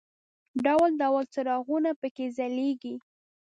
ډول ډول څراغونه په کې ځلېږي.